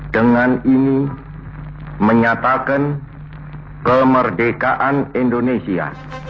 dengan ini menyatakan kemerdekaan indonesia